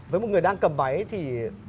với một người đang cầm máy thì